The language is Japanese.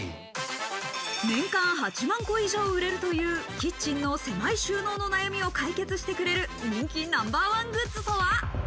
年間８万個以上売れるという、キッチンの狭い収納の悩みを解決してくれる人気ナンバーワングッズとは？